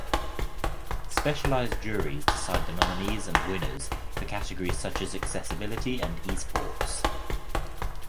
Specialized juries decide the nominees and winners for categories such as accessibility and esports.